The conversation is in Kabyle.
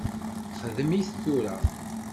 Xdem-it tura.